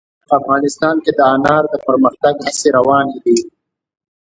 افغانستان کې د انار د پرمختګ هڅې روانې دي.